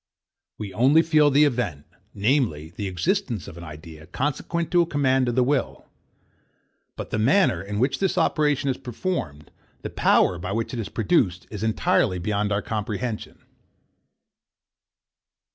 We only feel the event, namely, the existence of an idea, consequent to a command of the will: But the manner, in which this operation is performed, the power by which it is produced, is entirely beyond our comprehension.